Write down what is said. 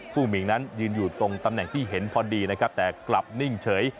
หมิงนั้นยืนอยู่ตรงตำแหน่งที่เห็นพอดีนะครับแต่กลับนิ่งเฉย